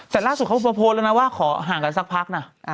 แต่ล่าสุดเขาโพสต์แล้วนะว่าขอห่างกันสักพักนะ